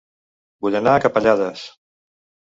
Vull anar a Capellades